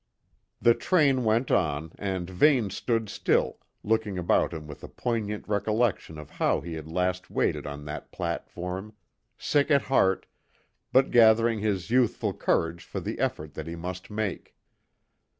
The train went on, and Vane stood still, looking about him with a poignant recollection of how he had last waited on that platform, sick at heart, but gathering his youthful courage for the effort that he must make.